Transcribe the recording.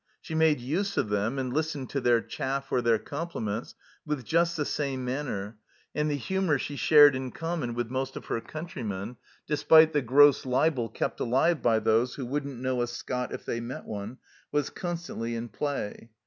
She made use of them and listened to their chaff or their compliments with iust the same manner, and the humour she shared in common with most of her countrymen, despite the gross libel kept alive by those who wouldn't know a Scot if they met one, was constantly in play.